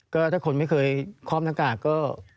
ก็ถ้าคนไม่เคยคล่อมหน้ากากก็